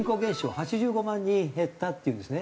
８５万人減ったっていうんですね。